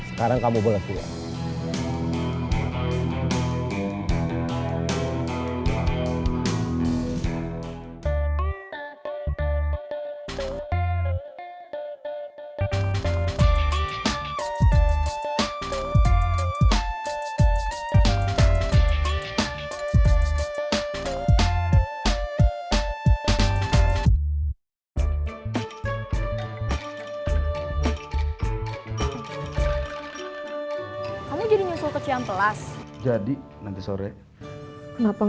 sekarang kamu boleh pulang